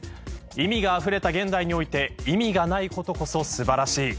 意味があふれた現代において意味がないことこそ素晴らしい。